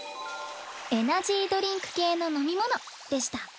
エナジードリンク系の飲み物でした。